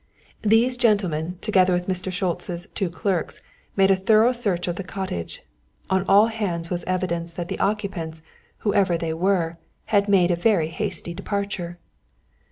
These gentlemen, together with Mr. Schultz's two clerks, made a thorough search of the cottage. On all hands was evidence that the occupants, whoever they were, had made a very hasty departure.